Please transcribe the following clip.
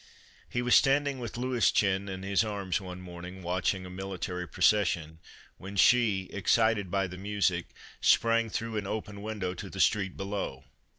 He was standing with Louischen in his arms one morning watching a military procession, when she, excited by the music, sprang through an open window to the street below.